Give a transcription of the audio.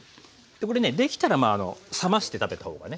これねできたら冷まして食べた方がね